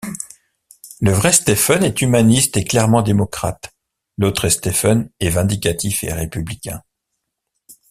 Le vrai Stephen est humaniste et clairement démocrate, l'autre Stephen est vindicatif et républicain.